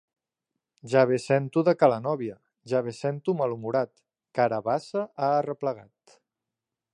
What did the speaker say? Ja ve Cento de ca la nóvia, ja ve Cento malhumorat, carabassa ha arreplegat.